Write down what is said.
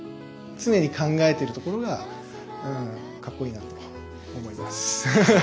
常に考えてるところがうんかっこいいなと思います。